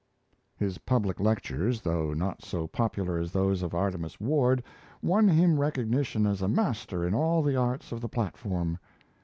His public lectures, though not so popular as those of Artemus Ward, won him recognition as a master in all the arts of the platform.